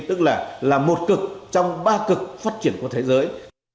tức là một cực trong ba cực phát triển của thế giới